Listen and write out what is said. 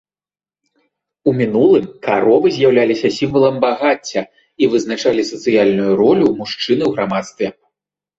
У мінулым каровы з'яўляліся сімвалам багацця і вызначалі сацыяльную ролю мужчыны ў грамадстве.